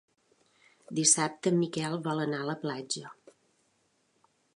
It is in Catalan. Dissabte en Miquel vol anar a la platja.